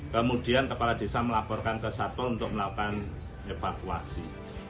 kemudian kepala desa melaporkan ke satpol untuk melakukan evakuasi